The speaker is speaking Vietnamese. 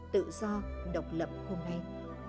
tự do độc lập hôm nay